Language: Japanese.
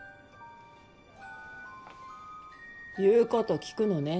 言う事聞くのね？